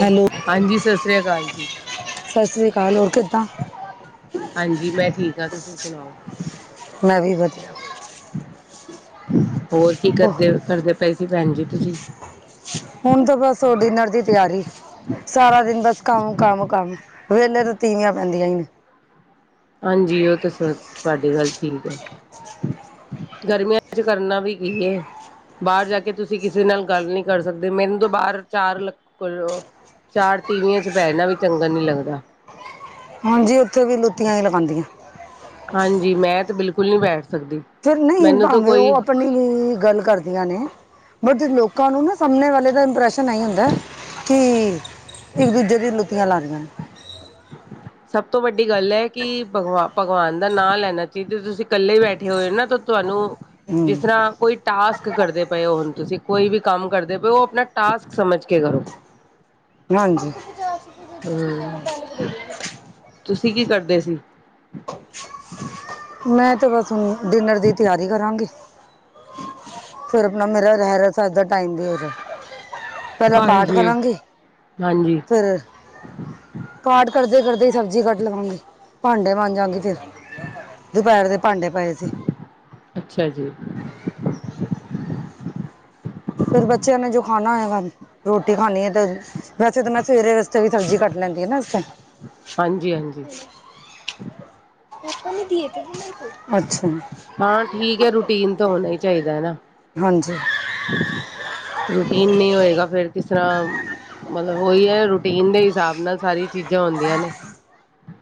Hello ਹਾਂਜੀ ਸਤਿ ਸ਼੍ਰੀ ਅਕਾਲ ਜੀ।। ਸਤਿ ਸ੍ਰੀ ਅਕਾਲ ਹੋਰ ਕਿ ਹਾਂਜੀ ਮੈਂ ਠੀਕ ਹਾਂ ਤੁਸੀਂ ਸੁਣਾਓ ਮੈਂ ਵੀ ਵਧੀਆ ਹੋਰ ਕੀ ਓਹ, ਕਰਦੇ ਕਰਦੇ ਪਏ ਸੀ ਭੈਣ ਜੀ ਤੁਸੀਂ [inaudible] ਹੁਣ ਤਾਂ ਬਸ ਡਿਨਰ ਦੀ ਤਿਆਰੀ ਸਾਰਾ ਦਿਨ ਬਸ ਕੰਮ ਕੰਮ ਕੰਮ ਵਿਹਲੇ ਤਾਂ ਤੀਵੀਆਂ ਬੈਂਦੀਆ ਹੀ ਨੇ ਹਾਂਜੀ ਉਹ ਤਾਂ ਸਭ ਤੁਹਾਡ ਗੱਲ ਠੀਕ ਹੈ ਗਰਮੀਆਂ ਚ ਕਰਨਾ ਵੀ ਕੀ ਹੈ ਬਾਹਰ ਜਾ ਕੇ ਤੁਸੀਂ ਕਿਸੇ ਨਾਲ ਗੱਲ ਨਹੀਂ ਕਰ ਸਕਦੇ ਮੈਨੂੰ ਤੋਂ ਬਾਹਰ ਚਾਰ ਚਾਰ ਤੀਵੀਆਂ ਚ ਬਹਿਣਾ ਵੀ ਚੰਗਾ ਨੀ ਲੱਗਦਾ ਹਾਂਜੀ ਉੱਥੇ ਵੀ ਲੁੱਤੀਆਂ ਹੀ ਲਗਾਉਂਦੀਆਂ ਹਾਂਜੀ ਮੈਂ ਤੇ ਬਿਲਕੁਲ ਨਹੀਂ ਬੈਠ ਸਕਦੀ ਫਿਰ ਨਹੀਂ ਮੈਨੂੰ ਤਾਂ ਭਾਵੇਂ ਕੋਈ ਉਹ ਆਪਣੀ ਲਈ ਗੱਲ ਕਰਦੀਆਂ ਨੇ ਬਟ ਲੋਕਾਂ ਨੂੰ ਨਾ ਸਾਮਣੇ ਵਾਲੇ ਦਾ ਇੰਪ੍ਰੈਸ਼ਨ ਇਹੀ ਹੁੰਦਾ ਕਿ ਇੱਕ ਦੂਜੇ ਦੀਆਂ ਲੁੱਤੀਆਂ ਲਾ ਲਈਆਂ ਨੇ ਸਭ ਤੋਂ ਵੱਡੀ ਗੱਲ ਹੈ ਕਿ ਭਗਵਾਨ ਦਾ ਨਾਂ ਲੈਣਾ ਚਾਹੀਦਾ ਤੁਸੀਂ ਇਕੱਲੇ ਬੈਠੇ ਹੋਏ ਹੋ ਨਾ ਤੁਹਾਨੂੰ ਜਿਸ ਹੂੰ ਤਰ੍ਹਾਂ ਕੋਈ ਟਾਸਕ ਕਰਦੇ ਪਏ ਹੋ ਹੁਣ ਤੁਸੀਂ ਕੋਈ ਵੀ ਕੰਮ ਕਰਦੇ ਪਏ ਹੋ ਆਪਣਾ ਟਾਸਕ ਸਮਝ ਕੇ ਕਰੋ ਹਾਂਜੀ ਹਮ ਤੁਸੀਂ ਕੀ ਕਰਦੇ ਸੀ ਮੈਂ ਤੇ ਬਸ ਹੁਣ ਡਿਨਰ ਦੀ ਤਿਆਰੀ ਕਰਾਂਗੀ ਫਿਰ ਆਪਣਾ ਮੇਰਾ ਰਹਿਰਸ ਏਦਾਂ ਟਾਈਮ ਦੇ ਫਿਰ ਪਹਿਲਾਂ ਪਾਠ ਹਾਂਜੀ ਕਰਾਂਗੇ ਹਾਂਜੀ ਫੇਰ ਪਾਠ ਕਰਦੇ ਕਰਦੇ ਹੀ ਸਬਜ਼ੀ ਕੱਟ ਲਵਾਂਗੇ ਭਾਂਡੇ ਬਣ ਜਾਗੇ ਫਿਰ [inaudible] ਦੁਪਹਿਰ ਦੇ ਭਾਂਡੇ ਪਏ ਸੀ ਅੱਛਾ ਜੀ ਫੇਰ ਬੱਚਿਆਂ ਨੇ ਜੋ ਖਾਣਾ ਹੋਇਆ ਰੋਟੀ ਖਾਣੀ ਹੈ ਤੇ ਵੈਸੇ ਤੇ ਮੈਂ ਸਵੇਰੇ ਵਾਸਤੇ ਵੀ ਸਬਜ਼ੀ ਕੱਟ ਲੈਂਦੀ ਆ ਨਾ ਉਥੇ ਹਾਂਜੀ ਹਾਂਜੀ ਅੱਛਾ ਹਾਂ ਠੀਕ ਹੈ ਰੂਟੀਨ ਤਾਂ ਹੋਣਾ ਹੀ ਚਾਹੀਦਾ ਹੈ ਹਾਂਜੀ ਰੂਟੀਨ ਨਹੀਂ ਹੋਏਗਾ ਫੇਰ ਕਿਸ ਤਰ੍ਹਾਂ ਮਤਲਬ ਉਹੀ ਹੈ ਰੂਟੀਨ ਦੇ ਹਿਸਾਬ ਨਾਲ ਸਾਰੀਆਂ ਚੀਜ਼ਾਂ ਹੁੰਦੀਆਂ ਨੇ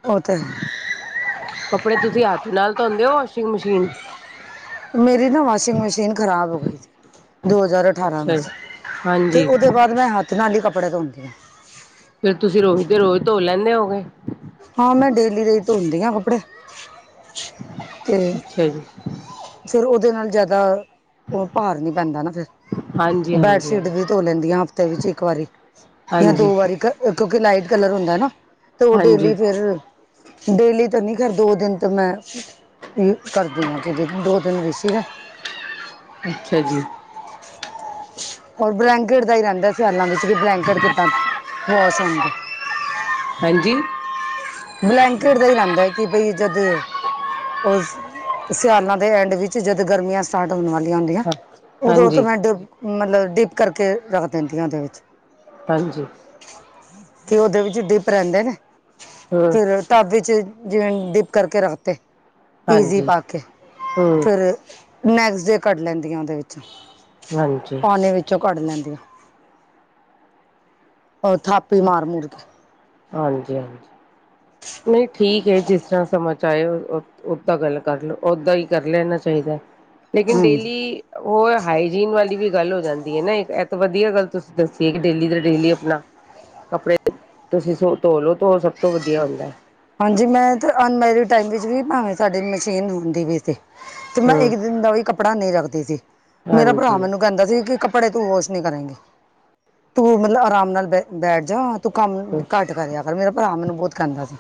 ਉਹ ਤਾਂ ਹੈ ਕੱਪੜੇ ਤੁਸੀਂ ਹੱਥ ਨਾਲ ਧੋਂਦੇ ਹੋ ਵਾਸ਼ਿੰਗ ਮਸ਼ੀਨ ਮੇਰੀ ਨਾ ਵਾਸ਼ਿੰਗ ਮਸ਼ੀਨ ਖਰਾਬ ਹੋ ਗਈ ਸੀ ਦੋ ਹਜ਼ਾਰ ਅਠਾਰਾਂ ਅੱਛਾ ਵਿੱਚ, ਤੇ ਹਾਂਜੀ ਉਹਦੇ ਬਾਅਦ ਮੈਂ ਹੱਥ ਨਾਲ ਈ ਕੱਪੜੇ ਧੋਂਦੀ ਆਂ। ਫੇਰ ਤੁਸੀਂ ਰੋਜ਼ ਦੇ ਰੋਜ਼ ਧੋ ਲੈਂਦੇ ਹੋਗੇ। ਹਾਂ ਮੈਂ ਡੇਲੀ ਦੇ ਈ ਧੋਂਦੀ ਆਂ ਕੱਪੜੇ। ਤੇ, ਅੱਛਾ ਜੀ ਫਿਰ ਉਹਦੇ ਨਾਲ ਜ਼ਿਆਦਾ, ਉਹ ਭਾਰ ਨੀ ਪੈਂਦਾ ਨਾ ਫਿਰ। ਹਾਂਜੀ ਹਾਂਜੀ ਬੈਡਸ਼ੀਟ ਵੀ ਧੋ ਲੈਂਦੀਆਂ ਹਫ਼ਤੇ ਵਿੱਚ ਇੱਕ ਵਾਰੀ, ਜਾਂ ਹਾਂਜੀ ਹਾਂਜੀ ਦੋ ਵਾਰੀ ਕ ਕਿਉਂਕਿ ਲਾਈਟ ਕਲਰ ਹੁੰਦਾ ਨਾ, ਤੇ ਉਹ ਡੇਲੀ ਹਾਂਜੀ ਫਿਰ। ਡੇਲੀ ਤਾਂ ਨਈਂ, ਖੈਰ ਦੋ ਦਿਨ ਤਾਂ ਮੈਂ, ਕਰਦੀ ਆਂ ਕਿ ਦੋ ਦਿਨ ਵੈਸੀ ਨਾ। ਅੱਛਾ ਜੀ। ਅਔਰ ਬਲੈਂਕੇਟ ਦਾ ਹੀ ਰਹਿੰਦਾ ਸਿਆਲਾਂ ਵਿੱਚ ਕਿ ਬਲੈਂਕੇਟ ਕਿੱਦਾਂ ਵਾਸ਼ ਹੋਣਗੇ ਹਾਂਜੀ! ਬਲੈਂਕੇਟ ਦਾ ਈ ਰਹਿੰਦਾ ਐ ਕਿ ਬਈ ਜਦ ਉਸ, ਸਿਆਲਾ ਦੇ ਐਂਡ ਵਿੱਚ ਜਦ ਗਰਮੀਆਂ ਸਟਾਰਟ ਹੋਣ ਵਾਲੀਆਂ ਹੁੰਦੀਆਂ, ਹਾਂ ਉਦੋਂ ਤੋਂ ਹਾਂਜੀ ਮੈਂ ਡੀਪ, ਮਤਲਬ ਕਿ ਡੀਪ ਕਰਕੇ, ਰੱਖ ਦਿੰਦੀ ਆਂ ਉਹਦੇ ਵਿੱਚ। ਹਾਂਜੀ। ਤੇ ਉਹਦੇ ਵਿੱਚ ਡਿਪ ਰੈਂਦੇ ਨੇ, ਹਮ ਫਿਰ ਟੱਬ ਵਿੱਚ, ਜਿਵੇਂ ਡਿਪ ਕਰਕੇ ਰੱਖਤੇ। ਈਜ਼ੀ ਹਾਂਜੀ ਪਾ ਕੇ, ਹਮ ਫਿਰ, ਨੈਕਸਟ-ਡੇ ਕੱਢ ਲੈਂਦੀਆਂ ਉਹਦੇ ਵਿੱਚੋ। ਹਾਂਜੀ। ਦੇ ਵਿੱਚੋਂ ਕੱਢ ਲੈਂਦੀਆਂ, ਅ ਥਾਪੀ ਮਾਰ-ਮੂਰ ਕੇ। ਹਾਂਜੀ ਹਾਂਜੀ। ਨਈਂ ਠੀਕ ਐ ਜਿਸ ਤਰ੍ਹਾਂ ਸਮਝ ਚ' ਆਇਆ ਓਸ ਓਦਾਂ ਗੱਲ ਕਰ ਲੋ ਓਦਾਂਈ ਕਰ ਲੈਣਾ ਚਾਹੀਦਾ, ਲੇਕਿਨ ਹਾਂਜੀ ਡੇਲੀ ਉਹ ਹਾਈਜੀਨ ਵਾਲੀ ਵੀ ਗੱਲ ਹੋ ਜਾਂਦੀ ਐ ਨਾ ਇਹ ਤਾਂ ਵਧੀਆ ਗੱਲ ਤੁਸੀਂ ਦੱਸੀਏ ਕਿ ਡੇਲੀ ਦਾ ਡੇਲੀ ਆਪਣਾ ਕੱਪੜੇ, ਤੁਸੀਂ ਸੋ ਧੋ ਲੋ ਓ ਸਭ ਤੋਂ ਵਧੀਆ ਹੁੰਦਾ ਐ। ਹਾਂਜੀ ਮੈਂ ਤਾਂ ਅਨਮੈਰਿਡ ਟਾਈਮ ਵਿੱਚ ਵੀ ਭਾਵੇਂ ਸਾਡੀੇ ਮਸ਼ੀਨ ਹੁੰਦੀ ਵੀ ਸੀ। ਤੇ ਮੈਂ ਹਮ ਇੱਕ ਦਿਨ ਦਾ ਵੀ ਕੱਪੜਾ ਨਹੀਂ ਰੱਖਦੀ ਸੀ, ਮੇਰਾ ਭਰਾ ਹਾਂਜੀ ਮੈਨੂੰ ਕਹਿੰਦਾ ਸੀ ਕਿ ਕੱਪੜੇ ਤੂੰ ਵਾਸ਼ ਨੀ ਕਰੇਗੀ, ਤੂੰ ਮਤਲਬ ਆਰਾਮ ਨਾਲ ਬੈ-ਬੈਠ ਜਾ ਤੂੰ ਕੰਮ, ਘੱਟ ਕਰਿਆ ਕਰ ਮੇਰਾ ਭਰਾ ਮੈਨੂੰ ਬਹੁਤ ਕਹਿੰਦਾ ਸੀ।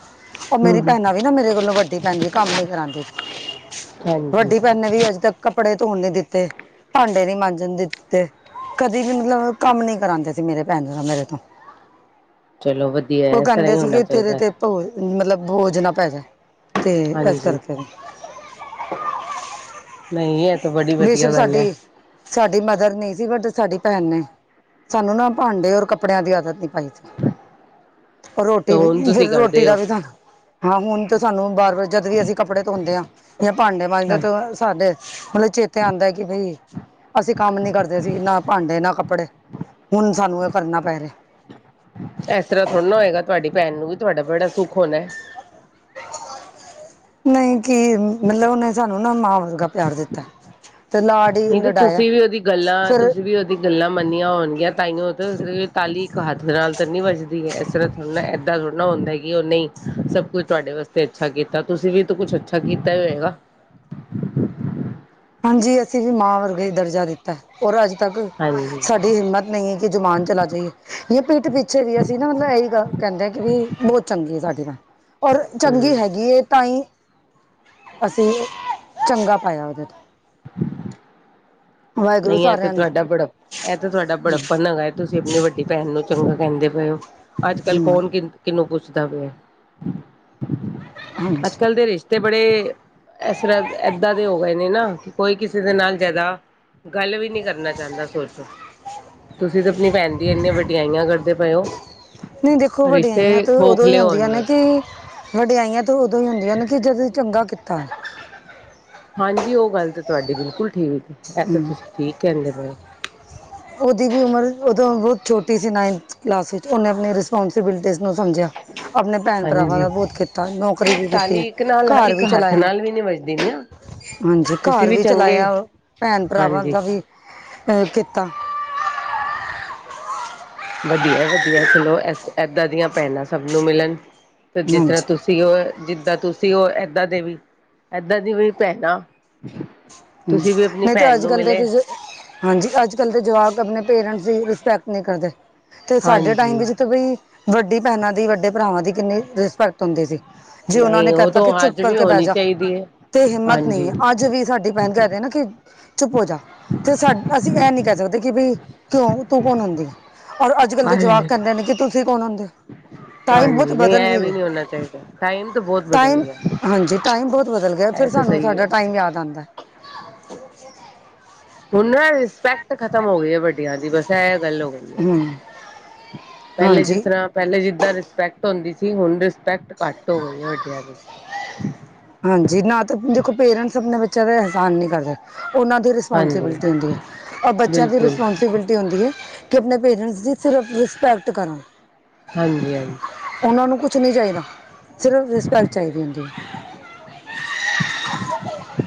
ਉਹ ਮੇਰੀ ਹੂੰ ਭੈਣਾਂ ਵੀ ਨਾ ਮੇਰੇ ਕੋਲੋਂ ਵੱਡੀ ਭੈਣਾਂ ਵੀ ਕੰਮ ਨੀ ਕਰਾਦੀ ਸੀ। ਹਾਂਜੀ ਵੱਡੀ ਭੈਣ ਨੇ ਵੀ ਅਜੇ ਤੱਕ ਕੱਪੜੇ ਧੋਣ ਨੀ ਦਿੱਤੇ। ਭਾਂਡੇ ਨੀ ਮਾਂਜਣ ਦਿੱਤੇ, ਕਦੇ ਵੀ ਮਤਲਬ ਕੰਮ ਨੀ ਕਰਾਉਂਦੇ ਸੀ ਮੇਰੇ ਭੈਣ-ਭਰਾ ਮੇਰੇ ਤੋਂ। [inaudible] ਚਲੋ ਵਧੀਆ ਐ ਇਸ ਤਰ੍ਹਾਂ ਈ ਹੋਣਾ ਚਾਹੀਦਾ। ਤੋਏ ਮਤਲਬ ਬੋਜ ਨਾ ਪੈ ਜਾਏ, ਤੇ ਇਸ ਹਾਂਜੀ ਕਰਕੇ। ਨਹੀਂ ਇਹ ਤਾਂ ਬੜੀ ਵਧੀਆ ਬੇਸ਼ਕ ਗੱਲ ਹੈ ਸਾਡੀ ਸਾਡੀ ਮਦਰ ਨਈਂ ਸੀ ਬਟ ਸਾਡੀ ਭੈਣ ਨੇ ਸਾਨੂੰ ਨਾ ਭਾਂਡੇ ਔਰ ਕੱਪੜਿਆਂ ਦੀ ਆਦਤ ਨੀ ਪਾਈ ਜੀ, ਤੇ ਰੋਟੀ ਹੁਣ ਵੀ ਤੁਸੀਂ ਫਿਰ ਰੋ ਟੀ ਕਰਦੇ ਦਾ ਹੋ ਵੀ ਨਾਂ ਹਾਂ ਹੁਣ ਤਾਂ ਸਾਨੂੰ ਵਾਰ ਵਾਰ ਜਦ ਵੀ ਅਸੀਂ ਕੱਪੜੇ ਧੋਂਦੇ ਆ, ਜਾਂ ਭਾਂਡੇ ਮਾਂਜਦੇ ਆਂ ਤਾਂ ਸਾਡੇ ਮਤਲਬ ਚੇਤੇ ਆਉਂਦਾ ਕਿ ਬਈ, ਅਸੀਂ ਕੰਮ ਨੀ ਕਰਦੇ ਸੀ ਨਾ ਭਾਂਡੇ, ਨਾ ਕੱਪੜੇ। ਹੁਣ ਸਾਨੂੰ ਏ ਕਰਨਾ ਪੈ ਰਿਹਾ। ਇਸ ਤਰ੍ਹਾਂ ਥੋੜਾ ਨਾ ਹੋਏਗਾ, ਤੁਹਾਡੀ ਭੈਣ ਨੂੰ ਵੀ ਤੁਹਾਡਾ ਬੜਾ ਸੁੱਖ ਹੋਣਾ ਏ। ਨਈਂ ਕੀ ਮਤਲਬ, ਉਹਨੇ ਸਾਨੂੰ ਨਾ ਮਾਂ ਵਰਗਾ ਪਿਆਰ ਦਿੱਤਾ। ਤੇ ਲਾਡ-ਲਡਾਇਆ, ਫਿਰ ਦੀ ਗੱਲਾਂ ਮੰਨੀਆਂ ਹੋਣਗੀਆਂ ਤਾਈਂ ਓ ਤਾਂ ਤਾਲੀ ਇੱਕ ਹੱਥ ਨਾਲ ਤਾਂ ਨੀ ਵੱਜਦੀ ਐ, ਇਸ ਤਰ੍ਹਾਂ ਲੈ ਏਦਾਂ ਥੋੜ੍ਹ ਨਾ ਹੁੰਦਾ ਕਿ ਉਹ ਨਈਂ, ਸਭ ਕੁੱਛ ਤੁਹਾਡੇ ਵਾਸਤੇ ਅੱਛਾ ਕੀਤਾ ਤੁਸੀਂ ਵੀ ਕੁੱਛ ਅਛ ਕੀਤਾ ਜਾਏਗਾ। ਹਾਂਜੀ ਅਸੀਂ ਵੀ ਮਾਂ ਵਰਗੇ ਹੀ ਦਰਜਾ ਦਿੱਤਾ, ਔਰ ਅੱਜ ਤੱਕ ਹਾਂਜੀ ਸਾਡੀ ਹਿੰਮਤ ਨਹੀਂ ਕਿ ਜਮਾਨ ਚਲਾ ਜਾਈਏ, ਜਾਂ ਪਿੱਠ ਪਿੱਛੇ ਵੀ ਅਸੀਂ ਨਾ ਮਤਲਬ ਇਹੀ ਗੱਲ ਕਹਿੰਦੇ ਕਿ ਵੀ ਬਹੁਤ ਚੰਗੇ ਹੈ ਸਾਡੇ ਤਾਂ, ਔਰ ਚੰਗੀ ਹੂੰ ਹੈਗੀ ਹੈ, ਤਾਂ ਹੀ ਅਸੀਂ ਚੰਗਾ ਪਾਇਆ ਉਹਦੇ ਤੋਂ ਵਾਹਿਗੁਰੂ ਨਹੀਂ ਇਹ ਤੇ ਸਾਰਿਆਂ ਨੂੰ ਤੁਹਾਡਾ ਬੜੱਪਾ ਇਹ ਤੇ ਤੁਹਾਡਾ ਬੜੱਪਨ ਹੇਗਾ। ਤੁਸੀਂ ਆਪਣੀ ਵੱਡੀ ਭੈਣ ਨੂੰ ਚੰਗਾ ਕਹਿੰਦੇ ਪਏ ਹੋ, ਅੱਜ-ਕੱਲ ਹੂੰ ਕੌਣ ਕਿਹਨੂੰ ਪੁੱਛਦਾ ਪਿਆ, ਹਾਂਜੀ ਅੱਜ-ਕੱਲ੍ਹ ਦੇ ਰਿਸ਼ਤੇ ਬੜੇ, ਇਸ ਸਰ ਏਦਾਂ ਦੇ ਹੋ ਗਏ ਨੇ ਨਾ, ਕਿ ਕੋਈ ਕਿਸੇ ਦੇ ਨਾਲ ਜ਼ਿਆਦਾ। ਗੱਲ ਵੀ ਨੀ ਕਰਨਾ ਚਾਹੁੰਦਾ, ਸੋਚੋ ਤੁਸੀਂ ਤਾਂ ਆਪਣੀ ਭੈਣ ਦੀ ਇੰਨੇ ਵਡਿਆਈਆਂ ਕਰ ਕਰਦੇ ਪਏ ਔ, ਨਹੀਂ ਦੇਖੋ, ਵੱਡੀਆਂ ਆਈਆਂ ਤਾਂ ਉਦੋਂ ਹੀ ਆਉਂਦੀਆਂ ਨੇ ਹੋਣਗੇ। ਕਿ ਵਡਿਆਈਆਂ ਤਾਂ ਉਦੋਂ ਹੁੰਦੀਆਂ ਨੇ, ਕਿ ਜਦੋਂ ਚੰਗਾ ਕੀਤਾ। ਹਾਂਜੀ ਉਹ ਗੱਲ ਤਾਂ ਤੁਹਾਡੀ ਬਿਲਕੁਲ ਠੀਕ ਐ, ਏਥੇ ਤੁਸੀਂ ਠੀਕ ਕਹਿੰਦੇ ਪਏ ਓ। ਉਹਦੀ ਵੀ ਉਮਰ ਉਦੋਂ ਬਹੁਤ ਛੋਟੀ ਸੀ, ਨਾਇਨਥ ਕਲਾਸ ਵਿੱਚ ਉਹਨੇ ਆਪਣੀ ਰਿਸਪੋਂਸੀਬਿਲਟੀਜ਼ ਨੂੰ ਸਮਝਿਆ। ਹਾਂਜੀ ਤਾਲੀ ਇੱਕ [unintelligible] ਨਾਲ ਇੱਕ ਹਾਂਜੀ ਹੱਥ ਨਾਲ ਵੀ ਨੀ ਵੱਜਦੀ ਨਾ ਤੁਸੀਂ ਘਰ ਵੀ ਚੰਗੇ ਚਲਾਇਆ ਭੈਣ ਭਰਾਵਾਂ ਹਾਂਜੀ ਦਾ ਵੀ, ਕੀਤਾ, ਵਧੀਆ ਵਧੀਆ ਚਲੋ ਏਦਾਂ ਦੀਆਂ ਭੈਣਾਂ ਸਭ ਨੂੰ ਮਿਲਣ, ਤੇ ਜਿਸ ਤਰ੍ਹਾਂ ਹਾਂਜੀ ਤੁਸੀ ਸੀ ਉਹ ਜਿੱਦਾਂ ਤੁਸੀਂ ਉਹ ਏਦਾਂ ਦੇ ਵੀ ਏਦਾਂ ਦੀ ਵੀ ਭੈਣ ਹੂੰ, ਤੁਸੀਂ ਵੀ ਆਪਣੀ ਨਹੀਂ ਤੇ ਨੂੰ ਅੱਜ-ਕੱਲ ਦੇ, ਮਿਲੇ ਹਾਂਜੀ, ਅੱਜ-ਕੱਲ ਦੇ ਜਵਾਕ ਆਪਣੇ ਪੇਰੈਂਟਸ ਦੀ ਰਿਸਪੈਕਟ ਨਹੀਂ ਕਰਦੇ। ਤੇ ਸਾਡੇ ਟਾਈਮ ਹਾਂਜੀ ਵਿੱਚ ਬਈ ਵੱਡੀ ਭੈਣਾਂ ਦੀ ਵੱਡੇ ਭਰਾਵਾਂ ਦੀ ਕਿੰਨੀ ਰਿਸਪੈਕਟ ਹੁੰਦੇ ਸੀ ਜੇ ਉਹਨਾਂ ਨੇ ਨਹੀਂ ਉਹ ਕਹਿਤਾ ਕਿ ਤਾਂ ਚੁੱਪ ਅੱਜ ਵੀ ਕਰਕੇ ਬਹਿ ਹੋਣੀ ਜਾ, ਚਾਹੀਦੀ ਹੈ ਤੇ ਹਿੰਮਤ ਨਹੀਂ ਹਾਂਜੀ ਹੈ ਅੱਜ ਵੀ ਸਾਡੇ [unintelligible] ਰਹਿਣਾ ਕੀ, ਚੁੱਪ ਹੋਜਾ ਤੇ ਸਾ ਅਸੀਂ ਇਹ ਨੀ ਕਹਿ ਸਕਦੇ, ਕਿ ਬਈ ਕਿਉਂ ਤੂੰ ਕੌਣ ਹੁੰਦੀ ਆ। ਔਰ ਅੱਜ-ਕੱਲ ਦੇ ਜਵਾਕ ਹਾਂਜੀ ਕਹਿੰਦੇ ਨੇ ਕਿ ਤੁਸੀਂ ਕੌਣ ਹੁੰਦੇ ਹੋ। ਟਾਈਮ ਬਹੁਤ ਨਹੀਂ ਬਦਲ ਇਹ ਵੀ ਗਿਆ, ਨਹੀਂ ਹੋਣਾ ਚਾਹੀਦਾ ਟਾਈਮ ਤਾਂ ਬਹੁਤ ਬਦਲ ਟਾਈਮ ਗਿਆ ਹਾਂਜੀ ਟਾਈਮ ਬਹੁਤ ਬਦਲ ਗਿਆ ਇਹ ਫਿਰ ਤਾਂ ਸਾਨੂੰ ਸਹੀ ਸਾਡਾ ਹੈ ਟਾਈਮ ਯਾਦ ਆਦਾ। ਹੁਣ ਰਿਸਪੈਕਟ ਖਤਮ ਹੋ ਗਈ ਹੈ, ਵੱਡੀਆਂ ਦੀ ਬਸ ਅੱਛਾ ਐ ਗੱਲ ਹੋ ਗਈ ਹੈ, ਹੂੰ ਪਹਿਲੇ ਜਿਸ ਹਾਂਜੀ ਤਰ੍ਹਾਂ ਪਹਿਲੇ ਜਿੱਦਾਂ ਰਿਸਪੈਕਟ ਹੁੰਦੀ ਸੀ, ਹੁਣ ਰਿਸਪੈਕਟ ਘੱਟ ਹੋ ਗਈ ਹੈ ਵੱਡਿਆਂ ਦੀ। ਹਾਂਜੀ ਨਾ ਤਾਂ ਦੇਖੋ, ਪੇਰੈਂਟਸ ਆਪਣੇ ਬੱਚਿਆਂ ਦਾ ਅਹਿਸਾਨ ਨਹੀਂ ਕਰਦਾ ਉਹਨਾਂ ਦੇ ਹਾਂਜੀ [unintelligible] ਔਰ ਬੱਚਿਆ ਦੀ ਰਿਸ ਬਿਲਕੁਲ ਬੇਟੀ ਹੁੰਦੀ ਹੈ, ਕਿ ਆਪਣੇ ਪੇਰੈਂਟਸ ਦੀ ਸਿਰਫ ਰਿਸਪੈਕਟ ਕਰਾ। ਹਾਂਜੀ ਹਾਂਜੀ ਉਹਨਾਂ ਨੂੰ ਕੁਛ ਨੀ ਚਾਹੀਦਾ, ਸਿਰਫ ਰਿਸਪੈਕਟ ਚਾਹੀਦੀ ਹੁੰਦੀ।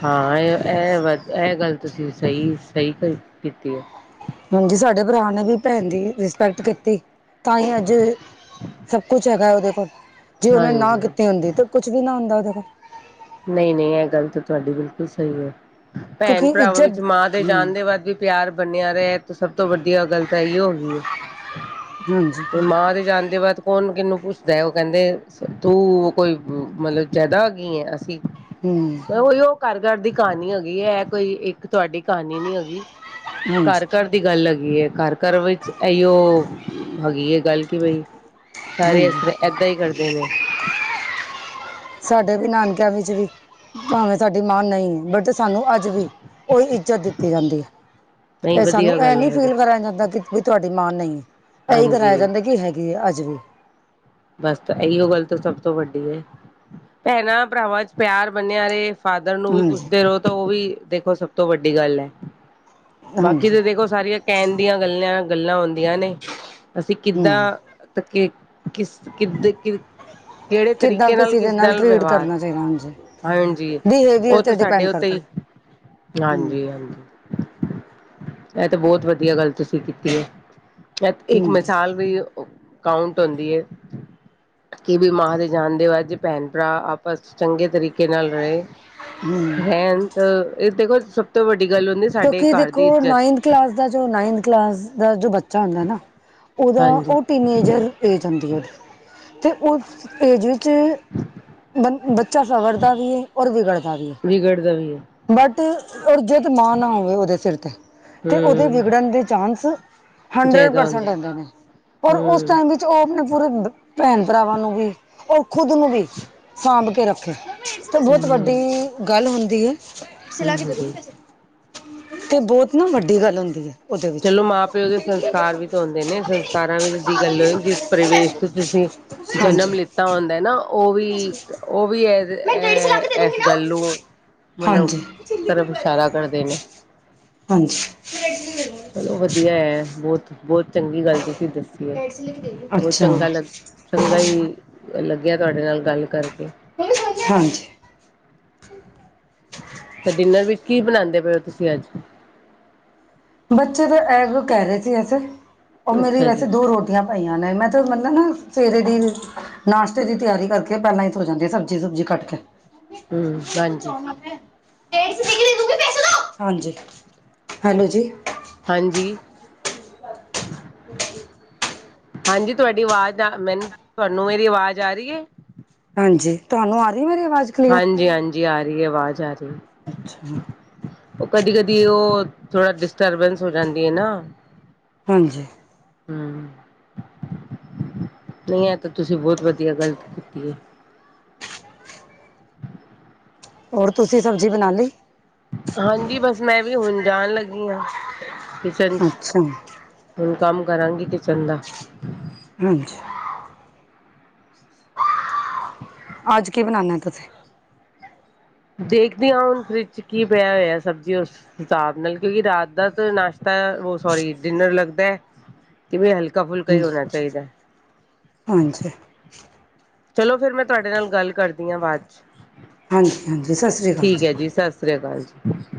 ਹਾਂ ਇਹ-ਇਹ ਵਧ ਇਹ ਗੱਲ ਤੁਸੀਂ ਸਹੀ ਸਹੀ ਕੀਤੀ ਆ। ਹਾਂਜੀ, ਸਾਡੇ ਭਰਾ ਨੇ ਵੀ ਭੈਣ ਦੀ ਰਿਸਪੈਕਟ ਕੀਤੀ ਤਾਂ ਹੀ ਅੱਜ ਸਭ ਕੁਛ ਹੈਗਾ, ਉਹਦੇ ਕੋਲ ਜੇ ਉਹੇ ਨਾ ਹਾਂਜੀ ਕੀਤੀ ਹੁੰਦੀ, ਤੇ ਕੁਛ ਵੀ ਨਾ ਹੁੰਦਾ ਉਹਦੇ ਕੋਲ ਨਹੀਂ, ਨਹੀਂ ਇਹ ਗੱਲ ਤਾਂ ਤੁਹਾਡੀ ਬਿਲਕੁਲ ਸਹੀ ਹੈ। ਭੈਣ ਕਿਉਂਕਿ ਭਰਾਵਾਂ ਇੱਜ਼ਤ ਵਿੱਚ ਮਾਂ ਦੇ ਹਮ ਜਾਣ ਦੇ ਬਾਅਦ ਵੀ ਪਿਆਰ ਬਣਿਆ, ਰਿਹਾ ਸਭ ਤੋਂ ਵੱਡੀਆ ਗੱਲ ਤਾਂ ਐਈਓ ਹੁੰਦੀ ਐ। [unintelligible] ਤੇ ਮਾਂ ਦੇ ਜਾਣ ਦੇ ਬਾਅਦ, ਕੌਣ ਕਿਹਨੂੰ ਪੁੱਛਦਾ, ਉਹ ਕਹਿੰਦੇ ਤੂੰ ਕੋਈ ਮਤਲਬ ਜਿਆਦਾ ਕੀ ਹੈ ਅਸੀਂ ਹਮ ਉ ਉਹ ਘਰ ਘਰ ਦੀ ਕਹਾਣੀ ਹੋ ਗਈ ਹੈ ਇਹ ਕੋਈ ਇੱਕ ਤੁਹਾਡੀ ਕਹਾਣੀ ਨੀ ਹੈਗੀ ਹਾਂਜੀ ਘਰ ਘਰ। ਦੀ ਗੱਲ ਹੈਗੀ ਹੈ ਘਰ ਘਰ ਵਿੱਚ ਇਹੀਓ ਹੈਗੀ ਹੈ ਗੱਲ ਕਿ ਬਈ। ਸਾਰੇ ਇਸ ਹਾਂਜੀ ਤਰਾਂ ਏਦਾਂ ਹੀ ਕਰਦੇ ਨੇ। ਸਾਡੇ ਵੀ ਨਾਨਕਿਆਂ ਵਿੱਚ ਦੀ। ਭਾਵੇਂ ਸਾਡੀ ਮਾਂ ਨਹੀਂ ਹੈ ਬਟ ਸਾਨੂੰ ਅੱਜ ਵੀ ਉਹੀ ਇੱਜ਼ਤ ਦਿੱਤੀ ਜਾਂਦੀ ਹੈ। ਨਹੀਂ ਤੇ ਸਾਨੂੰ ਵਧੀਆ ਇਹ ਗੱਲ ਹੈ ਨੀ ਵਧੀਆ ਫੀਲ ਕਰਾਇਆ ਜਾਂਦਾ ਕਿ। ਬਈ ਤੁਹਾਡੀ ਮਾਂ ਨਹੀਂ ਹੈ ਇਹੀ ਕਰਵਾਇਆ ਹਾਂਜੀ ਜਾਂਦਾ ਕਿ ਹੈਗੀ ਹੈ ਅੱਜ ਵੀ। ਬਸ ਤਾਂ ਇਹੀਓ ਗੱਲ ਤਾਂ ਸਭ ਤੋਂ ਵੱਡੀ ਹੈ, ਭੈਣਾਂ ਭਰਾਵਾਂ ਚ ਪਿਆਰ ਬਣਿਆ ਰਹੇ। ਫਾਦਰ ਨੂੰ ਵੀ ਹਾਂਜੀ ਪੁੱਛਦੇ ਰਹੋ ਤਾਂ ਉਹ ਵੀ ਦੇਖੋ ਸਭ ਤੋਂ ਵੱਡੀ ਗੱਲ ਹੈ। ਬਾਕੀ ਹਾਂਜੀ ਤੇ ਦੇਖੋ ਸਾਰੀਆਂ ਕਹਿਣ ਦੀਆਂ ਗੱਲ, ਗੱਲਾਂ ਹੁੰਦੀਆਂ ਨੇ ਅਸੀਂ ਹਮ ਕਿੱਦਾਂ। ਕਿਸ ਕਿੱਦ ਕਿਦ ਕਿਹੜੇ ਕਿੱਦਾਂ ਤਰੀਕੇ ਨਾਲ ਕਿਸੇ ਦੇ ਕਿਸ ਨਾਲ ਟਰੀਟ ਵਿਵਹਾਰ ਹੈ। ਕਰਨਾ ਚਾਹੀਦਾ ਹਾਂਜੀ ਹਾਂਜੀ, ਬਿਹੇਵੀਅਰ ਉਹ ਤਾਂ ਤੇ ਸਾਡੇ ਡਿਪੈਂਡ ਉੱਤੇ ਕਰਦਾ ਹੀ, ਹੂੰ ਹਾਂਜੀ ਹਾਂਜੀ। ਇਹ ਤਾਂ ਬਹੁਤ ਵਧੀਆ ਗੱਲ ਤੁਸੀਂ ਕੀਤੀ ਹੈ। ਇੱਕ ਹੂੰ ਮਿਸਾਲ ਵੀ ਕਾਂਉਟ ਹੁੰਦੀ ਹੈ। ਕਿ ਬਈ ਜੇ ਮਾਂ ਦੇ ਜਾਣ ਦੇ ਬਾਦ ਜੇ ਭੈਣ ਭਰਾ ਆਪਸ ਵਿੱਚ ਚੰਗੇ ਤਰੀਕੇ ਨਾਲ ਰਹੇ। ਰਹਿਣ, ਤਾਂ ਇਹ ਦੇਖੋ ਸਭ ਤੋਂ ਵੱਡੀ ਗੱਲ ਹੁੰਦੀ। ਸਾਡੇ ਕਿਉਂਕਿ ਘਰ ਦੇਖੋ ਦੀ ਇੱਜਤ ਨਾਈੰਨ। ਕਲਾਸ ਦਾ ਜੋ ਨਾਈਨਥ ਕਲਾਸ ਦਾ ਜੋ ਬੱਚਾ ਹੁੰਦਾ ਨਾ ਉਹਦਾ ਹਾਂਜੀ ਉਹ ਟੀਨਏਜਰ। ਏਜ ਆਉਂਦੀ ਏ ਅਤੇ ਉਸ ਏਜ ਵਿੱਚ। ਬ ਬੱਚਾ ਸਵਰਦਾ ਵੀ ਹੈ ਔਰਿਗੜਦਾ ਵੀ ਹੈ ਵਿਗੜਦਾ ਦਾ ਵੀ ਹੈ। ਬਟ ਔਰ ਜੇ ਤਾਂ ਮਾਂ ਨਾ ਹੋਵੇ ਉਹਦੇ ਸਿਰ ਤੇ। ਤੇ ਉਹਦੇ ਹਮ ਵਿਗੜਨ ਦੇ ਚਾਂਸ, ਹੰਡਰੇਡ ਜਾਇਦਾ ਹੁੰਦਾ ਪਰਸੈਂਟ ਹੁੰਦੇ ਨੇ ਔਰ ਉਸ ਹਮ ਟੇਮ ਵੀ। ਉਹ ਆਪਣੇ ਪੂਰੇ ਭੈਣ ਭਰਾਵਾਂ ਨੂੰ ਵੀ, ਔਰ ਖੁਦ ਨੂੰ ਵੀ ਸਾਂਭ ਕੇ ਰੱਖੇ। ਤੇ ਬਹੁਤ ਹਮ ਵੱਡੀ ਗੱਲ ਹੁੰਦੀ ਹੈ। ਹਮ ਜੀ ਤੇ ਬਹੁਤ। ਨਾ ਵੱਡੀ ਗੱਲ ਹੁੰਦੀ ਹੈ ਉਹਦੇ ਵਿੱਚ ਚਲੋ ਮਾਂ ਪਿਓ ਦੇ ਸੰਸਕਾਰ ਵੀ ਤੇ ਹੁੰਦੇ ਨੇ, ਸੰਸਕਾਰਾਂ ਵਿੱਚ ਦੀ ਗੱਲ ਜਿਸ। ਪ੍ਰਵੇਸ਼ ਤੋਂ ਤੁਸੀਂ। ਹਾਂਜੀ। ਤਾਂ ਹੁੰਦਾ ਨਾ ਉਹ ਵੀ ਇਕ ਉਹ ਵੀ ਹੈ। ਇਹ ਇਸ ਗੱਲ ਨੂੰ ਮਤਲਬ ਹਾਂਜੀ ਤਰਫ ਇਸ਼ਾਰਾ ਕਰਦੇ ਨੇ। ਹਾਂਜੀ। ਚਲੋ ਵਧੀਆ ਹੈ, ਬਹੁਤ ਬਹੁਤ ਚੰਗੀ ਗੱਲ ਤੁਸੀਂ ਦੱਸੀ ਹੈ ਬਹੁਤ ਅੱਛਾ ਚੰਗਾ ਲੱਗਾ। ਚੰਗਾ ਹੀ ਲੱਗਿਆ ਤੁਹਾਡੇ ਨਾਲ ਗੱਲ ਕਰਕੇ। ਹਾਂਜੀ। ਤੇ ਡਿਨਰ ਵਿੱਚ ਕੀ ਬਣਾਦੇ ਪਏ ਔ ਤੁਸੀਂ ਅੱਜ? ਬੱਚੇ ਤਾਂ ਐਗ ਕਹਿ ਰਹੇ ਸੀ, ਵੈਸੇ ਉਹ ਮੇਰੀ ਅੱਛਾ ਵੈਸੇ ਜੀ ਦੋ ਰੋਟੀ। ਆਂ ਪਾਈਆਂ ਨੇ ਮੈਂ ਤੇ ਮਤਲਦਾ [inaudible] ਨਾ ਸਵੇਰੇ ਦੀ ਨਾਸ਼ਤੇ ਦੀ ਤਿਆਰੀ ਕਰਕੇ ਪਹਿਲਾਂ ਹੀ ਸੌ ਜਾਂਦੀ ਹੈ ਸਬਜ਼ੀ ਸੁਬਜ਼ੀ ਕੱਟ ਕੇ। ਹਮ ਹਾਂਜੀ [unintelligible] ਹਾਂਜੀ, ਹੈਲੋ ਜੀ। ਹਾਂਜੀ। ਹਾਂਜੀ, ਤੁਹਾਡੀ ਆਵਾਜ਼ ਆ ਮੈਨੂੰ ਤੁਹਾਨੂੰ ਮੇਰੀ ਆਵਾਜ਼ ਆ ਰਹੀ ਹੈ? ਹਾਂਜੀ, ਤੁਹਾਨੂੰ ਆ ਗਈ ਮੇਰੀ ਆਵਾਜ਼? ਕਲੀਅਰ ਹਾਂਜੀ ਹਾਂਜੀ ਆ ਰਹੀ ਆਵਾਜ਼ ਆ ਰਹੀ ਹੈ। ਅੱਛਾ ਉਹ ਕਦੀ ਕਦੀ ਉਹ ਥੋੜਾ ਡਿਸਟਰਬੈਂਸ ਹੋ ਜਾਂਦੀ ਹੈ ਨਾ। ਹਾਂਜੀ। ਹਮ। ਨਹੀਂ ਇਹ ਤਾਂ ਤੁਸੀਂ ਬਹੁਤ ਵਧੀਆ ਗਲ ਕੀਤੀ ਹੈ। ਹੋਰ, ਤੁਸੀਂ ਸਬਜ਼ੀ ਬਣਾ ਲਈ? ਹਾਂਜੀ, ਬਸ ਮੈਂ ਵੀ ਹੁਣ ਜਾਣ ਲੱਗੀ ਹਾਂ ਕਿਚਨ ਚ ਅੱਛਾ ਹੁਣ ਕੰਮ ਕਰਾਂਗੀ ਕਿਚਨ ਦਾ [inaudible] ਅੱਜ ਕੀ ਬਣਾਣਾ ਤੁਸੀਂ? ਦੇਖਦੀ ਹਾਂ ਹੁਣ ਫਰਿਜ ਚ ਕੀ ਪਿਆ ਹੋਇਆ ਸਬਜ਼ੀ ਉਸ ਹਿਸਾਬ ਨਾਲ ਕਿਉਂਕਿ ਰਾਤ ਦਾ ਤਾਂ ਨਾਸ਼ਤਾ ਉਹ ਸੋਰੀ ਡਿਨਰ ਲੱਗਦਾ ਹੈ ਜਿਵੇਂ ਹਲਕਾ ਫੁਲਕਾ ਹੀ ਹਾਂਜੀ ਹੋਣਾ ਚਾਹੀਦਾ ਹੈ। ਹਾਂਜੀ। ਚਲੋ ਫਿਰ ਮੈਂ ਤੁਹਾਡੇ ਨਾਲ ਗੱਲ ਕਰਦੀ ਹਾਂ ਬਾਅਦ ਚ ਹਾਂਜੀ ਹਾਂਜੀ ਸਤਿ ਸ਼੍ਰੀ ਅਕਾਲ ਠੀਕ ਹੈ ਜੀ ਸਤਿ ਸ਼੍ਰੀ ਅਕਾਲ ਜੀ